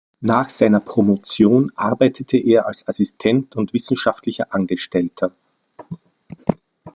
Nach seiner Promotion arbeitete er als Assistent und wissenschaftlicher Angestellter.